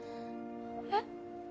えっ？